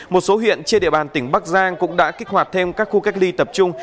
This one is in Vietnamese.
một số huyện trên địa bàn tỉnh bắc giang cũng đã kích hoạt thêm các khu cách ly tập trung